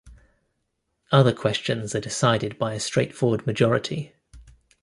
Other questions are decided by a straightforward majority.